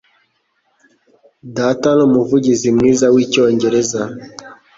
Data ni umuvugizi mwiza wicyongereza.